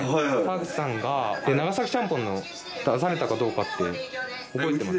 沢口さんが長崎ちゃんぽんの出されたかどうかって。